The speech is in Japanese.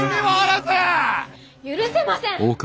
許せません！